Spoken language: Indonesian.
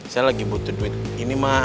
saya lagi butuh duit ini mah